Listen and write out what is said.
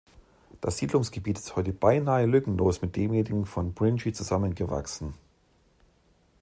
Das Siedlungsgebiet ist heute beinahe lückenlos mit demjenigen von Pringy zusammengewachsen.